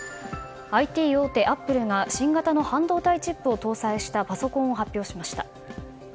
ＩＴ大手アップルが新型の半導体チップを搭載したパソコンを発表しました。